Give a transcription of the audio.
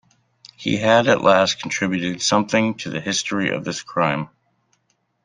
He had at last contributed something to the history of this crime.